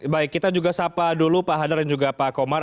baik kita juga sapa dulu pak hadar dan juga pak komar